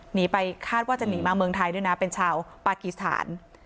หนีไปคาดว่าจะหนีมาเมืองไทยด้วยนะเป็นชาวปากีสถาน